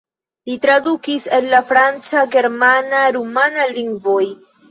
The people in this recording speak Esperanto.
Li tradukis el la franca, germana, rumana lingvoj.